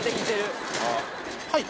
はい。